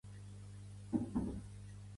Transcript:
Pertany al moviment independentista l'Anselm?